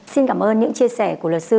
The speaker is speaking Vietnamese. xin cảm ơn những chia sẻ của luật sư